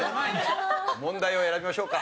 問題を選びましょうか。